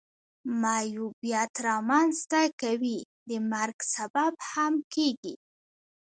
معیوبیت را منځ ته کوي د مرګ سبب هم کیږي.